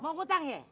mau hutang ye